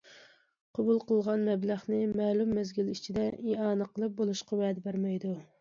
قوبۇل قىلغان مەبلەغنى مەلۇم مەزگىل ئىچىدە ئىئانە قىلىپ بولۇشقا ۋەدە بەرمەيدۇ.